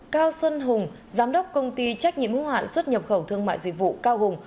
cao xuân hùng giám đốc công ty trách nhiệm hữu hạn xuất nhập khẩu thương mại dịch vụ cao hùng